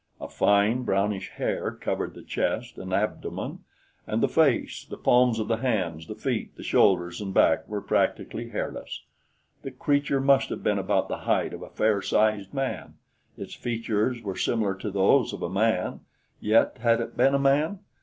A fine, brownish hair covered the chest and abdomen, and the face, the palms of the hands, the feet, the shoulders and back were practically hairless. The creature must have been about the height of a fair sized man; its features were similar to those of a man; yet had it been a man?